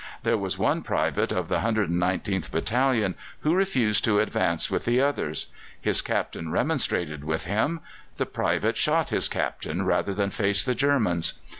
There was one private of the 119th Battalion who refused to advance with the others. His Captain remonstrated with him; the private shot his Captain rather than face the Germans.